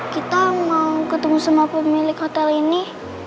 kita mau ketemu sama pemilik hotel ini